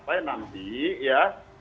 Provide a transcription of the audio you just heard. jadi saya ingin tanya